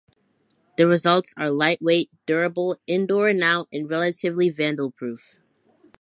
The results are lightweight, durable indoor and out, and relatively vandalproof.